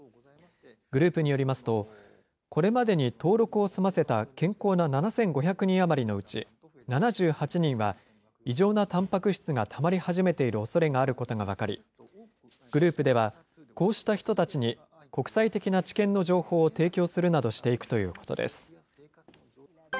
グループによりますと、これまでに登録を済ませた健康な７５００人余りのうち、７８人は異常なたんぱく質がたまり始めているおそれがあることが分かり、グループではこうした人たちに国際的な治験の情報を提供するなどしていくということです。